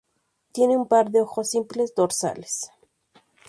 Tienen un par de ojos simples dorsales.